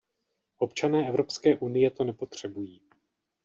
Občané Evropské unie to nepotřebují.